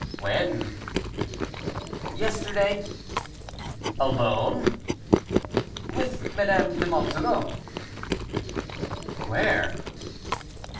"When?" "Yesterday." "Alone?" "With Madame de Monsoreau." "Where?"